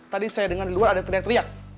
tadi saya dengar di luar ada teriak teriak